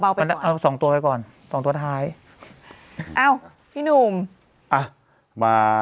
บาวไปเอาสองตัวไปก่อนสองตัวท้ายเอาพี่หนูอ่ะมา